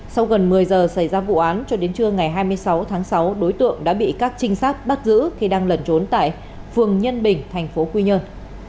vừa xảy ra vụ án cho đến trưa ngày hai mươi sáu tháng sáu đối tượng đã bị các trinh sát bắt giữ khi đang lẩn trốn tại phường nhân bình thành phố quy nhơn